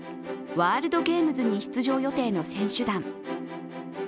ワールドゲームズに出場予定の選手団。